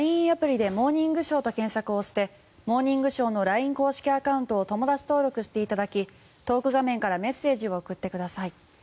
アプリで「モーニングショー」と検索をして「モーニングショー」のＬＩＮＥ公式アカウントを友だち登録していただきトーク画面からメッセージを送ってください。